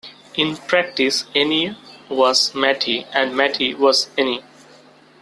In practice, Eni was Mattei and Mattei was Eni.